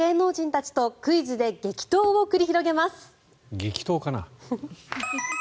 激闘かな。